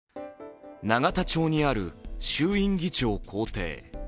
永田町にある衆院議長公邸。